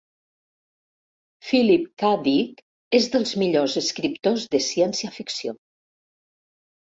Philip Ka Dick és dels millors escriptors de ciència ficció.